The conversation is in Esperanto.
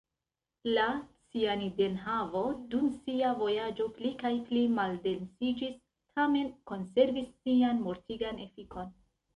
La cianidenhavo dum sia vojaĝo pli kaj pli maldensiĝis, tamen konservis sian mortigan efikon.